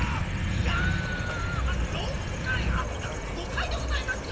いや４かいあっいやごかいでございますよ。